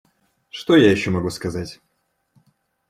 Что я еще могу сказать?